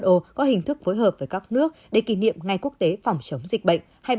eu có hình thức phối hợp với các nước để kỷ niệm ngày quốc tế phòng chống dịch bệnh